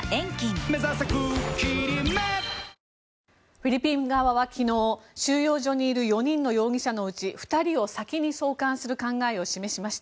フィリピン側は昨日収容所にいる４人の容疑者のうち２人を先に送還する考えを示しました。